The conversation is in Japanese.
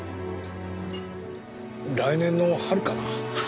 来年の春かな。